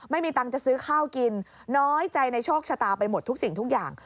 ไม่มีตังค์จะซื้อข้าวกินน้อยใจในโชคชะตาไปหมดทุกสิ่งทุกอย่าง